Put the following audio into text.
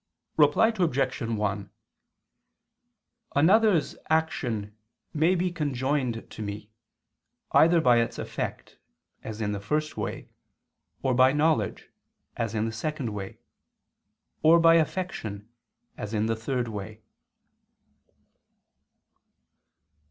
Reply Obj. 1: Another's action may be conjoined to me, either by its effect, as in the first way, or by knowledge, as in the second way; or by affection, as in the third way.